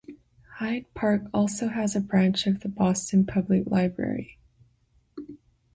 Hyde Park also has a branch of the Boston Public Library.